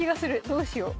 どうしよう。